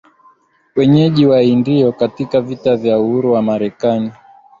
wenyeji Waindio Katika vita ya uhuru wa Marekani